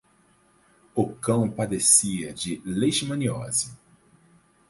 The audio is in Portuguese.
O cão padecia de leishmaniose